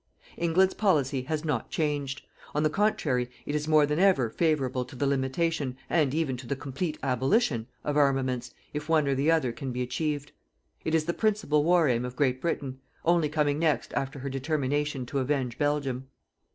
England's policy has not changed. On the contrary, it is more than ever favourable to the limitation, and even to the complete abolition, of armaments, if one or the other can be achieved. It is the principal war aim of Great Britain, only coming next after her determination to avenge Belgium.